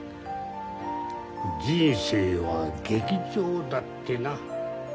人生は劇場だってな。